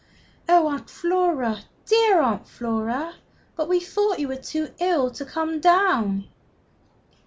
"Oh, Aunt Flora, dear Aunt Flora! But we thought you were too ill to come down!"